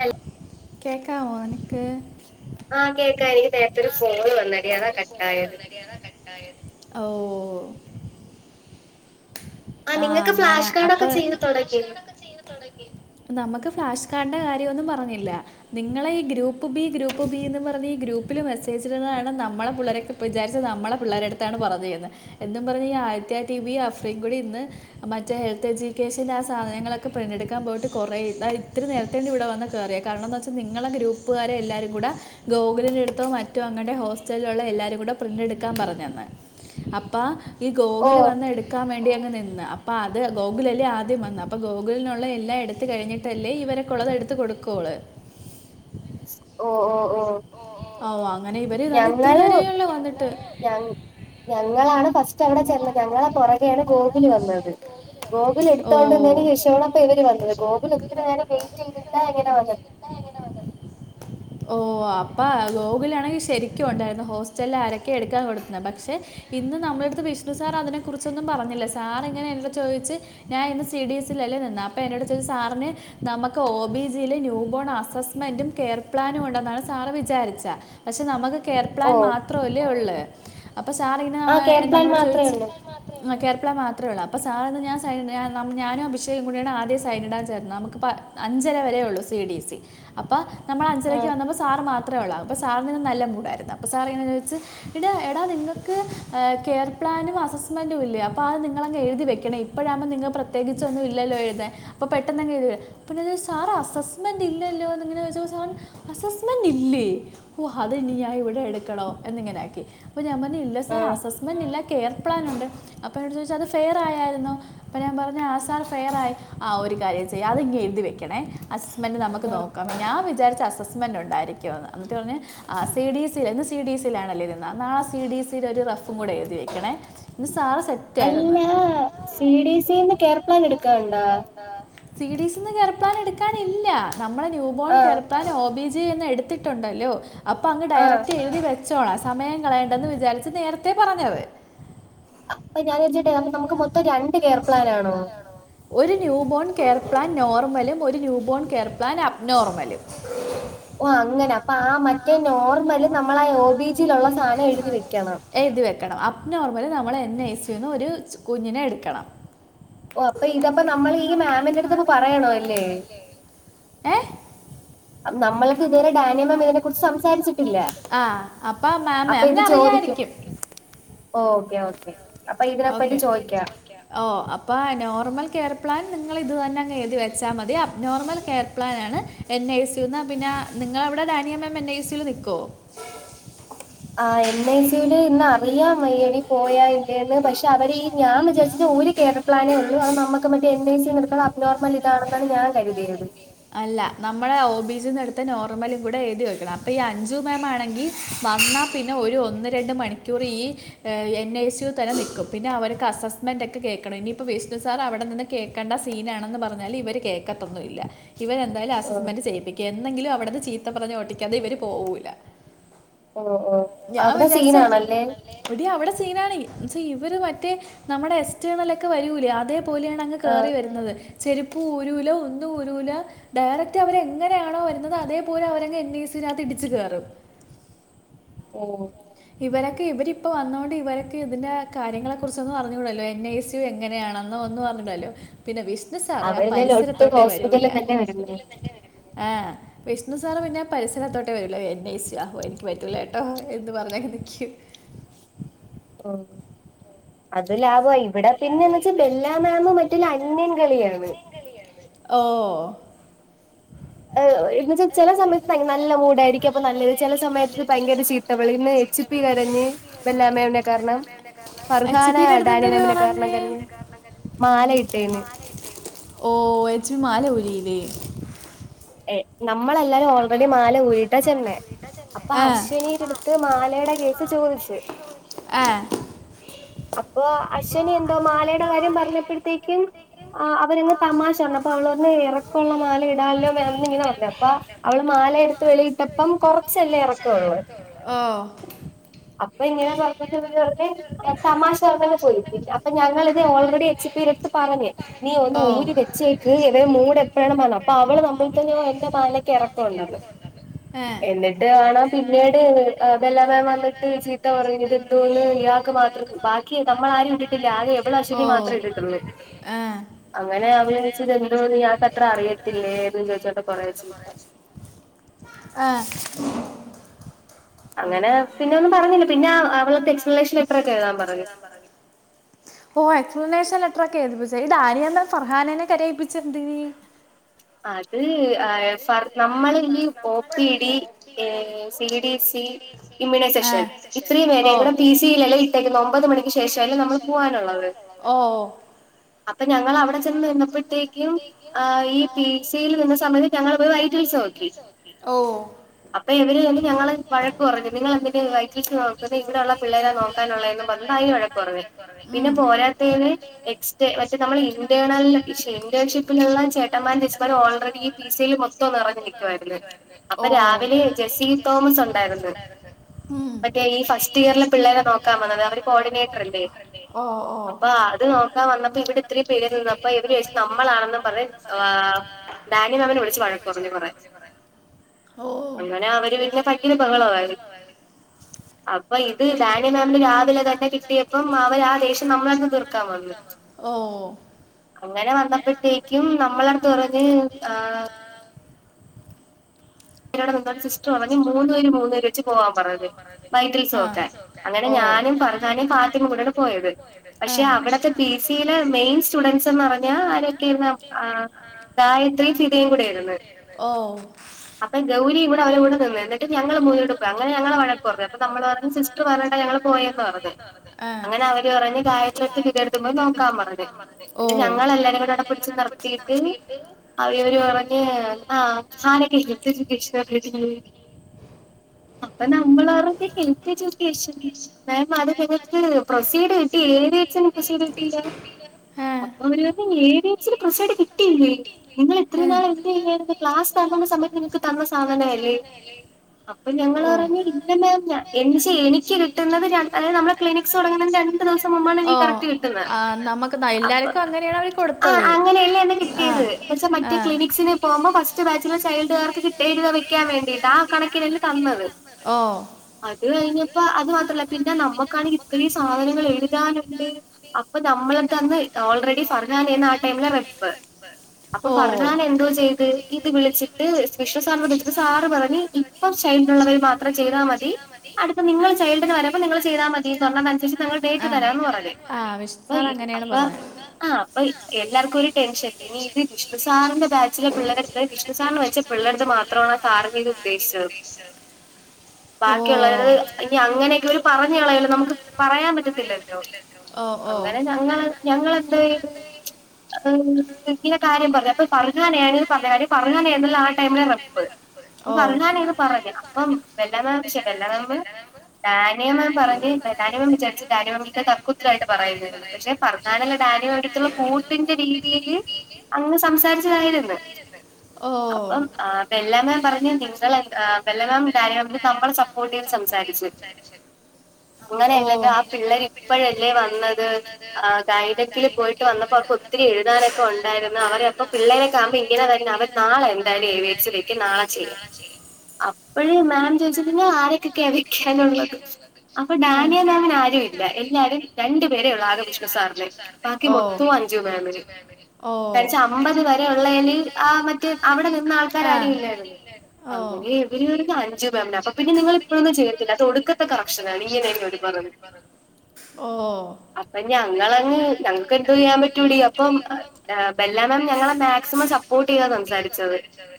Hell കേക്കാമോ അനക്ക് ആ കേക്കാ ടീ ഇ നേരത്തെ ഒരു ഫോണ് വന്നടീ അതാ കട്ടായത് ഓ ആ അങ്ങനെ അപ്പൊ ഞങ്ങക്ക് ഫ്ലാഷ് കാർഡ് ഒക്കെ ചെയ്തു തുടങ്ങി നമക്ക് ഫ്ളാഷ് കാർഡിന്റെ കാര്യോന്നും പറഞ്ഞില്ല നിങ്ങളെ ഈ ഗ്രൂപ്പ് ബി ഗ്രൂപ്പ് ബി ന്നും പറഞ് ഈ ഗ്രൂ പ്പിലെ മെസ്സേജ്കളിലാണ് നമ്മളെ പുള്ളാരെക്കെ പ്പൊ വിചാരിച്ച് നമ്മളെ പിള്ളേരെ ടുത്താണ് പറതി എന്ന് എന്നും പറഞ് ഈ ആയിരത്തിയാത്തീബി അഫ്രീകൂടി ഇന്ന് മറ്റേ ഹെൽത്ത് എഡ്യൂക്കേഷൻന്റെ ആ സാധനങ്ങളൊക്കെ പ്രിന്റ് എടുക്കാൻ പോയിട്ട് കൊറേ എഴുതാൻ ഇത്തിരി നേര തന്നെ ഇവിടെ വന്ന് കേറിയേ കാരണം എന്താച്ച നിങ്ങളെ ഗ്രൂപ്പുകാരെല്ലാരും കൂടെ ഗോഗില നെ എടു തോ മറ്റോ അങ്ങടെ ഹോസ്റ്റലിലുള്ള എല്ലാരും കൂടെ പ്രിന്റ് എടുക്കാൻ പറഞ്ഞന്ന് അപ്പാ ഈ ഗോകുല് വന്ന എടു ക്കാൻ വേണ്ടി ആയിരുന്നു നിന്നെ അപ്പാ അത് ഗോഗിലല്ലേ ആദ്യം വന്നെ അപ്പോ ഗോഗിലിനുള്ള എല്ലാം എടുത്ത് കഴിഞ്ഞി ട്ടല്ലേ ഇവരെ കുള്ളത് എടുത്ത് കൊടുക്കു അവള് ഓ ഓ ഓ ഔ അങ്ങനെ ഇവര് ഏതാലും ഇത്തിരി നേരേ യെള്ളൂ വന്നി ഞങ് ഞങ്ങളാണ് ഫസ്റ്റ് അവിടെ ചെന്നത് ഞങ്ങളെ പുറകെയാണ് ഗോകുല് വന്നത് ഗോഗുൽ എടുതോണ്ട് വന്നെന് ശേഷാണ് അപ്പം ഇവര് വന്നത് ഗോഗുൽ ഒത്തിരി നേരം വെയിറ്റ് ചെയ്തിട്ടാ ഇങ്ങനെ വന്നത് ഓ ആ പ്പാ ഗോകിലാണെങ്കിൽ ശരിക്കും ഉണ്ടായിരുന്നു ഹോസ്റ്റലിൽ ആരൊക്കെയ എടുക്കാൻ കൊടുത്ത് ന്ന് പക്ഷേ ഇന്ന് നമ്മളെടുത്ത് വിഷ്ണു സാർ അതിനെക്കുറിച്ചൊന്നും പറഞ്ഞില്ല സാർ എങ്ങനെ എന്നോട് ചോദിച്ച് ഞാൻ ഇന്ന് സി ഡിഎസ്ൽ അല്ലേ നിന്നെ അപ്പൊ എന്നെ ട് ചോദിച്ചു സാറിന് നമക്ക് ഒ ബി സി യിൽ ന്യൂബോൺ അസസ്മെന്റും കെയർ പ്ലാനും ഉണ്ടെന്നാണ് സാറ് വിചാരിച്ച പക്ഷെ നമക്ക് കെയർപ്ലാൻ മാത്രമല്ലേ ഉള്ളൊ അപ്പൊ സാറെ എങ്ങനാ നമെ നമ്മളോട് ചോദിച്ച് കേർപ്പള മാത്രേ ഉള്ള അപ്പ സാർ ഞാൻ സൈലന്റ് യാകണം ഞാനും അഭിഷേകും കൂടിയാണ് ആദ്യ സൈലന്റ്കാൻ ചേർന്ന നമുക്ക്പ്പ അഞ്ചര വരേ ഉള്ളു സി ഡി സി അപ്പൊ നമ്മൾ അഞ്ചരക്ക് വന്നപ്പോ സാർ മാത്രെ ഒള്ളൂ അപ്പ സാറിന് ന്ന് നല്ല മൂഡായിരുന്നു അപ്പ സാർ ഇങ്ങനെ ചോദിച്ച് എടാ എടാ നിങ്ങക്ക് ഏഹ് കെയർ പ്ലാനും അസസ്മെന്റും ഇല്ലെ അപ്പ അത് നിങ്ങള ങ് എഴുതി വെക്കണം ഇപ്പോഴാമ്പോ നിങ്ങൾ പ്രേ ത്യേകിച്ചൊന്നും ഇല്ലല്ലോ എഴുതാൻ അപ്പ പെട്ടെന്നങ്‌ എഴ്തൂ ലേ പ്പം ഞാൻ ചോയിച് സാർ അസസ്മെന്റ് ഇല്ലല്ലോ എന്ന്ങ്ങനെ ചോദിച്ചപ്പോ സാർ അസസ് മെന്റ് ഇല്ലേ ഓ അത്ഇനി ഞാൻ ഇവിടെ എടുക്കണോ എന്നിങ്ങനെ ആക്കി അപ്പ ഞാൻ പറഞ്ഞു ഇല്ല സാർ അസസ്മെൻറ് ഇല്ല കെയർ പ്ലാൻ ഉണ്ട് അപ്പോ ഇന്നോട് ചോദിച്ചു അത് ഫെയർ ആയായിരുന്നു അപ്പ ഞാൻ പറഞ് ആ സാർ ഫയറായി ആ ഒരു കാര്യം ചെയ്‌ അത്ഇങ്‌ എഴുതി വെക്കണേ അസസ്മെൻറ് നമക്ക് നോക്കാംന്ന ഞാൻ വിജാ രിച്ചു അസസ്മെൻറ് ഉണ്ടായിരിക്കുന്ന് എന്നിട്ട് പറഞ്ഞ് ആഹ് സി ഡി സിയിൽ ഇന്ന് സി ഡി സിലാണല്ലേ നിന്നെ ന്നാ സി ഡി സിൽ ഒരു റഫും കൂടെ എഴുതി വെക്കണേ ഇന്ന് സാർ സെ അല്ലാ സി ഡി സീന്ന് കെയർപ്ലാൻ എടുകാറു ണ്ടോ സിഡീസ്ന്ന് കയർപ്ലാൻ എടുക്കാനില്ല നമ്മളെ ന്യൂബോൺ കയർപ്ലാൻഓ ബി ന്ന് എടുത്തിട്ടുണ്ടല്ലോ അപ്പൊ അങ്ങ് ഡയറക്റ്റ് എഴുതി വെ ച്ചോളാം സമയം കളയണ്ടന്ന് വിചാരിച്ചു നേരത്തെ പറഞ്ഞത് അപ്പ ഞാൻ ചോയിച്ചോട്ടെ നമുക്ക് മൊത്തം രണ്ട് കെയർ പ്ലാനാണോ ഒരു ന്യൂബോൺ കെയർ പ്ലാൻ നോർമലും ഒരു ന്യൂബോൺ കെയർ പ്ലാൻ അപ്നോർമലും ഓ അങ്ങനെ അപ്പ ആഹ് മറ്റേ നോർമല് നമ്മൾ ആ ഒ ബിജിയിലുള്ള സാധനം എഴുതി വെക്കണം എഴുതി വെക്കണം അപ്പ് നോർമല് നമ്മൾ എൻ ഐ സുന്ന് ഒരു കുഞ്ഞിനെ എടുക്കണം ഓ അപ്പൊ ഇതപ്പോ നമ്മൾ ഈ മാമിന്റെ അടുത്തപ്പോ പറയണവല്ലേ നമ്മളക്കെ ഇതുവരെ ഡാനിയമാമിനെ കുറിച്ച് സംസാരിച്ചിട്ടില്ല ആഹ് അപ്പ മാമ് മിന അറിയായിരിക്കും ഓക്കെ ഓക്കെ അപ്പൊ ഇതിനപ്പറ്റി ചോയ്ക്കാ ഓഹ് അപ്പ ആഹ് നോർമൽ കെയർ പ്ലാൻ നിങ്ങൾ ഇത് തന്നെ അങ്ങ് എഴുതി വെച്ചാമതി അപ് നോർമൽ കെയർ പ്ലൻ ആണ് എൻ ഐ സിയു ന്ന് പിന്നെ നിങ്ങവിടെ ഡാനിയാ മാം എൻ ഐ സിയു നിക്കോ ആഹ് എൻ ഐ സിയുല് ഇന്ന് അറിയാം വയ്യടി പോയായിരുനു ന്ന് പക്ഷെ അവരേ ഈ ഞാൻ വിചാരിച്ചത് ഒരു കേര പ്ലാനേ ഉള്ളൂ അത് നമ്മക്ക് മറ്റേ എൻ ഐ സി ന്ന് ഇട് ക്കണ അപ് നോർമൽ ഇതാണെന്നാണ് ഞാൻ കരുതിയത് അല്ല നമ്മളെ ഒബി സിന്ന് ടുത്ത നോർമലും ഇവിടെ എഴുതി വെക്കണം അപ്പ ഈ അഞ്ചു മാേംമാണെങ്കിൽ വന്നാപിന്നെ ഒരു ഒന്ന് രണ്ട് മണിക്കൂർ ഈ എഹ് എൻ ഐ യു തന്നെ നിക്കും പിന്നെ അവരെക്ക് അസസ്മെന്റ്ക്കെ കേക്കണം ഇനിയിപ്പോ വിഷ്ണു സാർ അവിടെ നിന്ന് കേക്കണ്ട സീനാണെന്ന് പറഞ്ഞാല് ഇവരെ കേക്കത്തൊന്നുല്ല ഇവരെ എന്തായാലും അസസ്മെന്റ് ചെയ്യിപ്പിക്കും എന്നെങ്കിലും അവിടന്ന് ചീത്ത പറഞ് ഓട്ടിക്കാതെ ഇവര് പോവൂല ഓഹ് ഓഹ് അവടെ സീനാണല്ലെ എടി അവിടെ സീനാണ് ഇവര് മറ്റേ നമ്മടെ എക്സ് ട്ടെനലോക്കെ വരൂലെ അതേപോലെയാണ് ന്നഅങ്ങ് കേറി വരുന്നത് ചെരുപ്പ് ഊരൂല ഒന്നും ഊരൂല ഡയറക്റ്റ് അവരെ എങ്ങനെയാണോ വരുന്നത് അതേപോലെ അവരങ്‌ എൻ അയ് സിനകത്ത് ഇടിച്ച് കയറും ഓഹ് ഇവരൊക്കെ ഇവരിപ്പൊ വന്നോണ്ട് ഇവരൊകെ ഇതിന്റെ കാര്യങ്ങളെ കുറിച്ചൊന്നു അറിഞ്ഞൂടല്ലോ എൻ ഐസ് യു എങ്ങനെയാണെന്നോ ഒന്നു അറിഞ്ഞുടല്ലോ പിന്നെ വിഷ്ണു സാറ് ആ പരിസരത്തോട്ടേ വരൂല ആഹ് വിഷ്ണുസാറ് പിന്നെ പരിസരത്തോട്ടെ വരൂല്ല എൻ അയ് സു ആഹഓഹ് എനിക്ക് പറ്റൂലട്ടോ ത് പറഞ്ഞങ്ങ് നിക്കും ഓഹ് അത് ലാഭയി ഇവിടെ പിന്നെന്ന് ച്ചാ ബെല്ലാമാമും മറ്റൊരു അന്യൻകളിയാണ് ഓഹ് എഹ് എന്നെച്ചാചെല സമയത്ത് നല്ല മൂഡായിരിക്കും അപ്പ നല്ലത് ചെല സമയത്ത് ഭയങ്കര ചീപ്പ് അവളിന്ന് എച്പി കരഞ്ഞ് ബല്ലാമെമിനെ കാരണം ഫർഹാന ടെ ബെല്ല മാമിനെ കാരണം കരഞ്ഞ് മാലയിട്ടേനെ ഓ എച്ച് മാല ഊരിലെ എഹ് നമ്മളെല്ലാരും ഓൾറെഡി മാല ഊരിട്ടാ ചെന്നെ അപ്പൊ അശ്വിനീന ടുത്ത് ത്ത് മാലേടെ കേസ് ചോദിച്ച് ആഹ് അപ്പൊ അശ്വിനി എന്തോ മാലേടെ കാര്യം പറഞ്ഞപ്പഴത്തേക്കും. ആഹ് അവരെ ഇന്ന് തമാശറഞ്ഞ് അപ്പൊ അവളറഞ്ഞ് ഇറക്കൊള്ള മാല ഇടാല്ലോ മാം ഇന്നിങ്ങനെ പറഞ്ഞ് അപ്പൊ അവള് മാലയിട്ട് വെളിയിട്ടപ്പം കൊറച്ചല്ലേ ഇറക്കള്ളൂ ഓഹ് അപ്പൊ ഇങ്ങനെ പറഞ്ഞപ്പോൾ ഇവര് പറഞ്ഞെ തമാശറഞ്ഞങ്ങ് പോയി പിന്നെ അപ്പൊ ഞങ്ങളിത് ഓൾറെഡി എച്ച് പിടെ അടുത്ത് പറഞ്ഞ് നീ ഒന്ന് ഊരി വെച്ചേക്ക് ഇവടെ മൂടെപ്പഴാണ് മാറുനേ അപ്പൊ അവള് നമ്മള ചെയ്യോ എന്റെ മാലയ്ക്ക് ഇറക്കമുള്ളത് ഏഹ് എന്നിട്ട് കാണാം പിന്നീട് വെല്ലാമാം വന്നിട്ട് ചീത്ത പറഞ്ഞിട്ട് എത്തോന്ന് ഇയാൾക്ക് മാത്രം പാ ക്കി നമ്മളാരും ഇട്ടിട്ടില്ല. ആകെ ഇവളും അശ്വനി മാത്രേ ഇട്ടിട്ടുള്ളൂ. അങ്ങനെ അവര് വിളിച്ച് എന്തോ നീ ഇയാൾക്കത്ര അറിയത്തില്ലേന്നും ചോയിച്ചോണ്ട് കൊറെ ചീത്ത ആഹ് അങ്ങനെ പിന്നെ ഒന്നും പറഞ്ഞില്ല പിന്നെ ആ അവളത്ത് എക്സ്പ്ലേഷൻ ലെറ്ററൊക്കെ എഴുതാൻ പറഞ്ഞു. ഓഹ് എക്സ്പ്ലനേഷൻ ലെറ്ററൊക്കെ എഴുപ്പിച്ചേ. ഈ ഡാനിയ എന്ന ഫർഹാനനെ കരയിപ്പിച്ചതെന്തിന്? അത് ആഹ് ഫ നമ്മളില് ഒ പി ടി ഏഹ് സി ഡി സി ഇമ്മ്യൂണസെഷൻ. ഇത്രേം വേഗം ഇവടെ പി സിൽ ഇല ഇട്ടേക്കുന്ന ഒമ്പത് മണിക്ക് ശേഷല്ലേ നമ്മള്. പൂവാനുള്ളത്. അപ്പ ഞങ്ങളവിടെ ചെന്ന് നിന്നപ്പോഴ്ത്തേക്ക് ഈ പീസിയിൽ നിന്ന സമയത്ത് ഞങ്ങളൊക്കെ വൈറ്റൽസ് നോക്കി. അപ്പൊ ഇവര് വന്ന് ഞങ്ങളെ വഴക്ക് പറഞ്ഞു. നിങ്ങളെന്തിന് വൈറ്റൽസ് നോക്കുന്നത് ഇവിടെള്ള പിള്ളേരെ നോക്കാനുള്ളേന്നും പറഞ്ഞിട്ട് അയിന് വഴ പുറകെ പിന്നെ പോരാത്തേന് എക്സ്റ്റേ മറ്റേ നമ്മളില്ലേ ഇന്റണലി ഇഷ്യൂ ഇന്റേഷിപ്പിനുള്ള ചേട്ട [unintelligible] ഓൾറെഡി ഈ പിസയിൽ മൊത്തം നിറഞ്ഞു നിൽക്കുവായിരുന്നു അപ്പൊ രാവിലെ ജെസി തോമസ് ഉണ്ടായിരുന്നു. ഉം മറ്റേ ഈ ഫസ്റ്റ് ഇയറിലെ പിള്ളേരെ നോക്കാൻ വന്നത് അവര് കോർഡിനേറ്റർ അല്ലേ. ഓ ഓ അപ്പൊ അത് നോക്കാൻ വന്നപ്പോ ഇവിടെ ഇത്രയും പേര് നിന്നപ്പൊ ഇവര് വിചാരിച്ച് നമ്മളാണെന്ന് പറഞ്ഞ് ആ ഡാനി മാമിനെ വിളിച്ചു വഴക്കു പറഞ്ഞു കൊറെ. അങ്ങനെ അവര് പിന്നെ ഭയങ്കര ബഹളായിരുന്ന്. അപ്പൊ ഇത് ഡാനി മാമിന് രാവിലെ തന്നെ കിട്ടിയപ്പം അവര് ആ ദേഷ്യം നമ്മളടത്ത് തീർക്കാൻ വന്നു. ഓഹ് അങ്ങനെ വന്നപ്പഴത്തേക്കും നമ്മളടത്ത് പറഞ്ഞ് ആഹ് ന്നോട് [unintelligible] സിസ്റ്റർ പറഞ്ഞ് മൂന്ന് പേര് മൂന്ന് പേര് വെച്ച് പോവാൻ പറഞ്ഞത് മൈറ്റിൽസ് വെക്കാൻ. അങ്ങനെ ഞാനും ഫർഹാനയും ഫാത്തിമ കൂടാണ് പോയത്. പക്ഷെ അവിടത്തെ പി സിയിലെ മെയിൻ സ്റ്റുഡൻറ്സ്ന്ന് പറഞ്ഞ ഞ്ഞ ആരൊക്കെരുന്ന് ആഹ് ഗായത്രിം ചിതയും കൂടെയിരുന്ന്. ഓഹ് അപ്പൊ ഗൗരി ഇവിടെ അവടെവരുടെ നിന്ന് എന്നിട്ട് ഞങ്ങള് മുന്നേരൂടെ പോയി. അങ്ങനെ ഞങ്ങളെ വഴക്കറഞ്ഞു. നമ്മള് പറഞ്ഞ് സിസ്റ്റർ പറേണ് ഞങ്ങള് പോയന്ന് പറഞ്ഞ്. അങ്ങനെ അവര് പറഞ്ഞ് ഗായത്രിടെട്ത്ത് ഗീത തും പോയ്‌ നോക്കാ പറഞ്ഞ് പിന്നെ ഞങ്ങ എല്ലാരും കൂടിവിടെ പിടിച്ച് നിർത്തിയിട്ട് അവര് പറഞ്ഞ ആ ആനക്കെ ഇനി എജുക്കേഷണൽ [inaudible] അപ്പൊ നമ്മളറഞ്ഞ് ഹെൽത്ത്‌ [unintelligible] എജുക്കേഷൻ മാം അത് നിങ്ങക്ക് പ്രൊസീഡി കിട്ടി. എവിസ് പ്രൊസീഡിട് കിട്ടില്ല. അവരു പറഞ്ഞ് എ ഡി എസ്‌ പ്രോസീഡ് കിട്ടിയില്ലേ. നിങ്ങള് ഇത്രയും നാളെന്തിയ്യായിരുന്നു. ക്ലാസ് തുടങ്ങുന്ന സമയത്ത് നിനക്ക് തന്ന സാധനല്ലേ. അപ്പൊ ഞങ്ങള് പറഞ്ഞ് ഇല്ല മാം. എന്നച്ച എനിക്ക് കിട്ടുന്നത് ര അതായത് നമ്മള് ക്ലിനി ക്സ് തുടങ്ങുന്നതിന്റെ രണ്ടു ദിവസം മുമ്പാണ് എനീ കറക്റ്റ് കിട്ടുന്നേ. അപ്പൊ ആഹ് അങ്ങനെയല്ലേന്ന് കിട്ടിയത്. പക്ഷെ മറ്റേ ക്ലിനിക് സിനു പോകുമ്പോ ഫസ്റ്റ് ബാച്ലെ ചൈൽഡു കാർക്ക് കിട്ട രിക്കാൻ വേണ്ടിട്ട്. ആ കണക്കിനെല്ലേ തന്നത്. അത് കഴിഞ്ഞപ്പ അത് മാത്രല്ല, പിന്നെ നമ്മക്കാണെങ്കിൽ ഇത്രയും സാധനങ്ങൾ എഴുതാനുണ്ട്. അപ്പൊ നമ്മളടതന്ന് ഓൾറെഡി ഫർഹാനന്ന് ടൈമില റെപ്പ്. അപ്പൊ ഫർഹാൻ എന്തോ ചെയ്ത്. ഇത് വിളിച്ചിട്ട് കൃഷ് സാർനോട്‌ ചോയ്ച്ചപ്പോ സാറ് പറഞ്ഞ് ഇപ്പം ചൈൽഡിലുളളവർ മാത്രം ചെയ്താൽ മതി. അടുത്ത് നിങ്ങൾ ചൈൽഡിന് വരമ്പ നിങ്ങൾ ചെയ്താ മതി എന്ന് പറഞ്ഞ് കൺഫ്യൂ അപ്പൊ ഞങ്ങൾ ഡേറ്റ് തരാന്ന് പറഞ്ഞ്. അ അപ്പ ഈ അപ്പൊ എല്ലാർക്കും ഒരു ടെൻഷൻ. ഇനി ഇത് വിഷ്ണു സാറിന്റെ ബാച്ചിലെ പിള്ളേരട്ത് വിഷ്ണു സാറിന്ന് വെച്ച പിള്ളേർക്ക്‌ മാത്രമാണ് സാറിനെ ഉദ്ദേശിച്ചത്. ബാക്കിയുള്ളരത്. ഇനി അങ്ങനെയൊക്കവര് പറഞ്ഞ്കളയുല്ലോ. നമുക്ക് പറയാൻ പറ്റത്തില്ലല്ലോ. അങ്ങനെ ഞങ്ങള്. ഞങ്ങളെന്തായി. [unintelligible] വീട്ടിലെ കാര്യം പറഞ്ഞു. അപ്പൊ പർഹാനെയാണ് പറഞ്ഞാല് പർഹാനെയിരുന്നല [unintelligible] അപ്പോ പാർഹനണ് പറഞ്ഞ് അപ്പം ബെല്ലമാം പക്ഷെ ബെല്ലമാം ഡാനിയമ്മൻ പറഞ് ഡാനിയമ്മൻ വിചാരിച്ച് ഡാനിയമ്മത്തെ തർക്കുത്ത രായിട്ട് പറയുന്നാണ്, പക്ഷെ പക്ഷെ ഫർഹാന ല്ലാം ഡാനിമാമി നോട്‌ കൂട്ടിന്റെ രീതിയില് അങ്ങനെ സംസാരിച്ചതായിരുന്ന്. ഓഹ് ആഹ് ബെല്ലാ മാം പറഞ്ഞ് നിങ്ങൾ ബെല്ല മാം ഡാനിയ മേമിന് നമ്മളെ സപ്പോർട്ട് ചെയ്ത സംസാരിച്ച് അങ്ങനെയല്ലല്ലോ ആ പിള്ളേരിപ്പഴല്ലേ വന്നത്. ആഹ് കൈഡക്കില് പോയിട്ട് വന്നപ്പോ അപ്പ ത്തിരി എഴുതാനൊക്കെ ഉണ്ടായിരുന്ന് അവരപ്പ പിള്ളേരക്കെ ആവുമ്പോ ഇങ്ങനെ തന്നാണ് നാളെ എന്തായാലും ഏ വീ എഡ്സ് വെക്കും നാളെ നാളെ ചെയ്യും അപ്പോഴേ മാം ചോദിച്ച് നിങ്ങ ആരൊക്കൊക്കെ വക്കാനുള്ളത് അപ്പൊ ഡാനിയ മാമി അറി ഇല്ല. എല്ലാരും രണ്ടു പേരെ ഉള്ളു ആകെ വിഷ്ണു സാറിന്. ബാക്കി മൊത്തോം അഞ്ജു മാമിന്. കഴിച്ച അമ്പത് വരെ ഉള്ളേല്, ആഹ് മറ്റേ അവിടെ നിന്ന ആൾക്കാരാരും ഇല്ലായിരുന്നു. അങ്ങനെ ഇവര് കെട്ന്ന അഞ്ജു മേമിന്. അപ്പൊ പിന്നെ നിങ്ങൾ ഇപ്പോഴൊന്നും ചെയ്യത്തില്ല അത് ഒടുക്കത്തെ കറപ്ഷനാ ഇങ്ങനെയിങ്ങു ഒഴിവാകുന്ന്. ഓഹ് അപ്പൊ ഞങ്ങളങ്ങ് ഞങ്ങക്കെന്തു ചെയ്യാ പറ്റൂടി അപ്പം ബെല്ലാണം ഞങ്ങളങ്ങ് സപ്പോർട് യത സംസാരിച്ചത്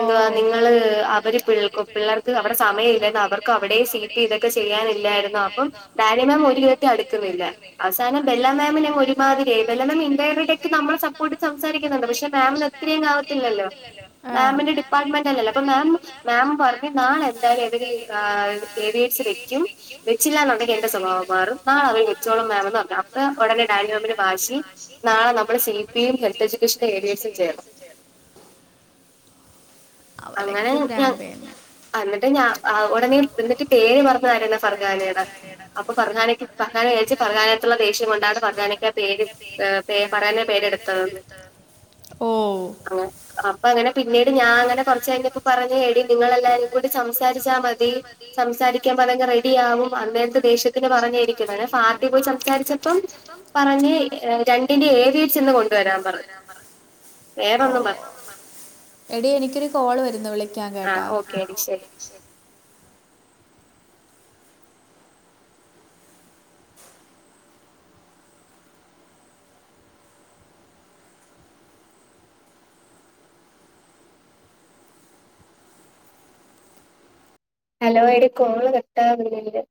ഓ തെന്തുവാ [unintelligible] പിള്ളേർക്ക് അവിടെ സമയമില്ല അവർക്ക് അവിടെ സീറ്റ് ഇതൊക്കെ ചെയ്യാനില്ലായിരുന്നു അപ്പം ഡാനിയ മാം ഒരു വിധത്തി അടുക്കുന്നില്ല. അവസാനം ബെല്ലാമാമിനെ അങ്ങ് ഒരു പാട് കേ ബെല്ല മാം അയ്ന്റിടക്ക് നമ്മളെ സപ്പോട്ട്. സംസാരിക്കുന്നുണ്ട്, പക്ഷെ മാമിനു ഒത്തിരി അങ്ങ് ആവതില്ലല്ലോ, മാമിന്റെ ഡിപ്പാർട്മെന്റ് അല്ലല്ല, അപ്പം മാം മാം പറഞ്ഞ് നാളെ എന്തായാലും ഇവര് എവീഡ്സ് വെക്കും. വെച്ചില്ല ന്നുണ്ടെങ്കി എന്റെ സ്വഭാവംമാറും. നാള അവര് വെച്ചോളും മേമെന്നു പറഞ്ഞു അപ്പൊ ഉടനെ ഡാനിയമിന് വാശി. നാളെ നമ്മുടെ സി പിഐ ഹെൽത്ത് എഡ്യൂക്കേഷന്റെ ഏവിയേഴ്‌സും ചേർന്ന് അവരക്ക് ഭ്രാന്തായന് ആ ന്നിട്ട് ഞാൻ ഉടനീ എന്നിട്ട് പേര് പറഞ്ഞതാരാണ് ഫർഹാനെടെ അപ്പൊ ഫർഹാനക്ക് പർഹാന ചോയ്ച്ചു പറഹാനട്ത്തുള്ള ദേഷ്യം കൊണ്ടാണ് പർഹാനയ്ക്ക് ആ പേര് പേ പറഹാനെ പേര്ടുത്തോ ക്കളെ അപ്പങ്ങനെ പിന്നീട് ഞാ ആങ്ങനെ കൊറച്ച് കഴിഞ്ഞപ്പ പറഞ്ഞു എടി നിങ്ങളെല്ലാരും കൂടി സംസാരിച്ചാ മതി സംസാരി ക്കെ അതങ്ങ് റെഡിയകും അന്നേരത്തെ ദേഷ്യത്തിന് പറഞെയിരിക്കും. അങ്ങനെ പാർട്ടി പോയി സംസാരിച്ചപ്പം,. പറഞ്ഞ്, രണ്ടിന്റെ ഏവീയേഡ്സ് ഇന്ന് കൊണ്ടുവരാൻ പറ- ഓ എടി എനിക്കൊരു കോൾ വരുന്ന വിളി ആഹ് ഓക്കെ ടി ശരി. ഹലോ എടി കോള് കട്ടാവുന്നില്